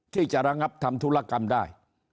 ที่จะระงับทำธุรกรรมได้